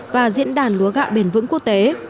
và diễn đàn lúa gạo bền vững quốc tế